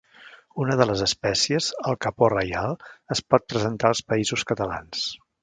Una de les espècies, el capó reial, es pot presentar als Països Catalans.